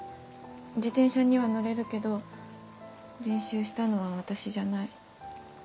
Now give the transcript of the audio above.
自転車には乗れるけど練習したのは私じゃない。